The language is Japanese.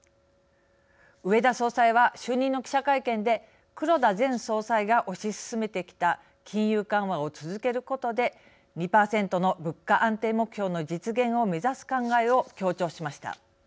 植田総裁は、就任の記者会見で黒田前総裁が推し進めてきた金融緩和を続けることで２％の物価安定目標の実現を目指す考えを強調しました。